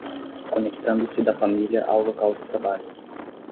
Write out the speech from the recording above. Conectando-se da família ao local de trabalho